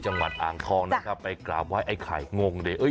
จังหวัดอ่างทองนะครับไปกราบไห้ไอ้ไข่งงดิเอ้ย